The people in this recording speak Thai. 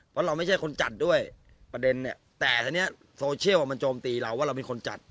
เพราะเราไม่ใช่คนจัดด้วยประเด็นเนี่ย